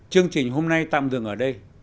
chương trình hôm nay tạm dừng ở đây